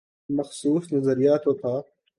مخصوص نظریہ تو تھا۔